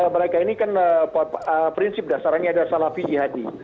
mereka ini kan prinsip dasarnya adalah salafi jihadi